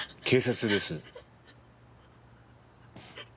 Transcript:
警察？